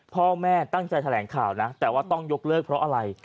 พ่อแม่ตั้งใจแถลงข่าวนะแต่ว่าต้องยกเลิกเพราะอะไร